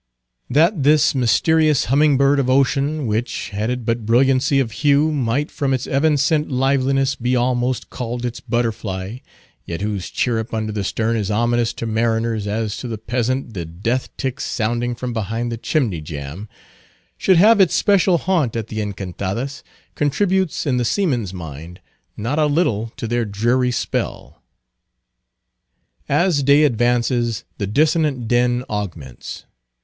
That this mysterious hummingbird of ocean—which, had it but brilliancy of hue, might, from its evanescent liveliness, be almost called its butterfly, yet whose chirrup under the stern is ominous to mariners as to the peasant the death tick sounding from behind the chimney jamb—should have its special haunt at the Encantadas, contributes, in the seaman's mind, not a little to their dreary spell. As day advances the dissonant din augments.